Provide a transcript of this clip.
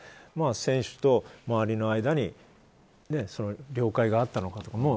選手と周りの間に了解があったのかとか。